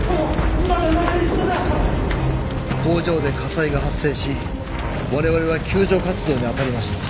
工場で火災が発生し我々は救助活動に当たりました。